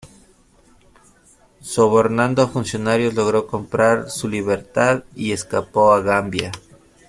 Sobornando a funcionarios, logró comprar su libertad y escapó a Gambia.